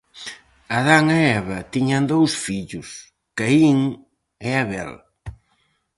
Adán e Eva tiñan dous fillos, Caín e Abel.